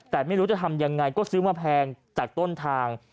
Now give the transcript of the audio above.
แต่ไม่รู้จะทำยังไงก็ซื้อมาแพงจากต้นทาง